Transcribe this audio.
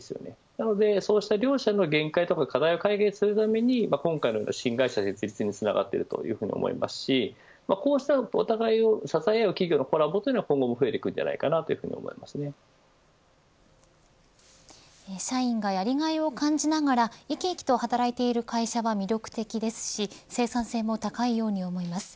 なのでそうした両者の限界や課題を解決するために今回のような新会社設立につながってるというふうに思いますしこうしたお互いを支え合う企業のコラボというのを今後も増えてい社員がやりがいを感じながら生き生きと働いている会社は魅力的ですし生産性も高いように思います。